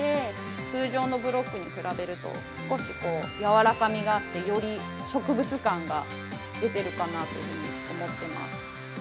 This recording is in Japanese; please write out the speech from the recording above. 通常のブロックに比べると、少し柔らかみがあって、より植物感が出てるかなというふうに思っています。